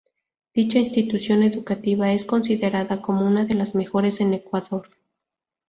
Dicha institución educativa es considerada como una de las mejores en Ecuador.